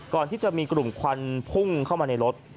ก่อนที่จะมีกลุ่มควันพุ่งเข้ามาในรถ